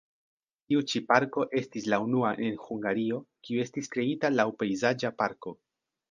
Tiu ĉi parko estis la unua en Hungario, kiu estis kreita laŭ pejzaĝa parko.